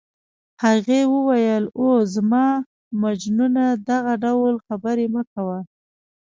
هغې وویل: اوه، زما مجنونه دغه ډول خبرې مه کوه.